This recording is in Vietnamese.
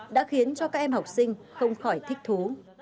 đã khiến cho các em học sinh không khỏi thích thú